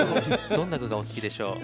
どんな具がお好きでしょう？